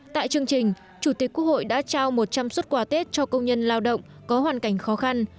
tại chương trình chủ tịch quốc hội đã trao một trăm linh xuất quà tết cho công nhân lao động có hoàn cảnh khó khăn